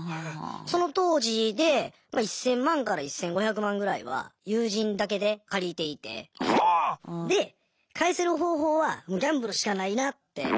その当時で１，０００万から１，５００万ぐらいは友人だけで借りていてで返せる方法はもうギャンブルしかないなって。